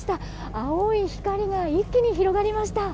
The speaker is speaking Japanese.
青い光が一気に広がりました。